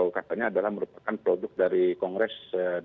yang berharapannya adalah merupakan produk dari kongres dua ribu dua puluh